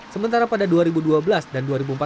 sementara pada dua ribu dua belas dan dua ribu empat belas